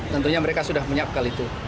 tentunya mereka sudah menyiapkan itu